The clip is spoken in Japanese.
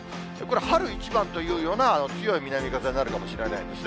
春一番というような強い南風になるかもしれないですね。